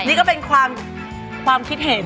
นี่ก็เป็นความคิดเห็น